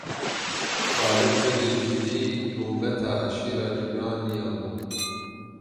Xalid begê cibrî rûmeta eşîra cibraniyan bû.